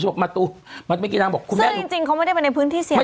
บอกมาตูมเมื่อกี้นางบอกคุณแม่จริงจริงเขาไม่ได้ไปในพื้นที่เสี่ยง